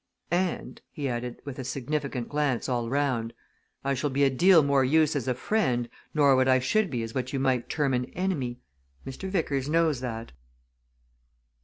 And," he added, with a significant glance all round, "I shall be a deal more use as a friend nor what I should be as what you might term an enemy Mr. Vickers knows that."